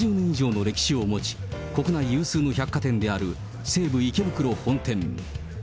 ８０年以上の歴史を持ち、国内有数の百貨店である西武池袋本店。